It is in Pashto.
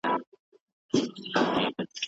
د کتاب لوستل د انسان شعور لوړوي.